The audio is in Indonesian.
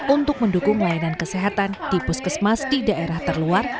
untuk mendukung layanan kesehatan di puskesmas di daerah terluar